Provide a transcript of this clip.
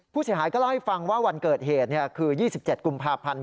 ผู้เสียหายก็เล่าให้ฟังว่าวันเกิดเหตุคือ๒๗กุมภาพันธ์